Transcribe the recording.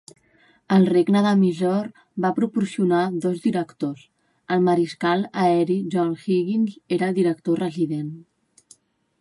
El regne de Mysore va proporcionar dos directors, el mariscal aeri John Higgins era el director resident.